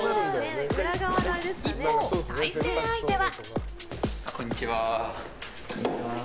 一方、対戦相手は。